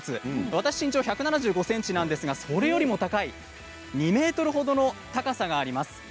私は１７５ｃｍなんですがそれよりも高い２ｍ程の高さがあります。